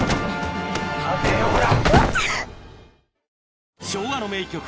待てよほら！